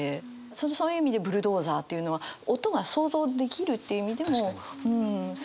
そういう意味でブルドーザーっていうのは音が想像できるという意味でもすごいんだろうなと思って。